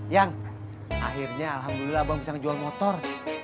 yang akhirnya alhamdulillah abang bisa ngejual motor